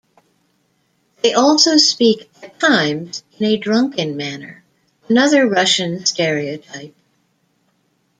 They also speak at times in a drunken manner, another Russian stereotype.